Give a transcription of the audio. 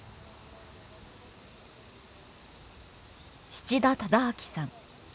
七田忠昭さん。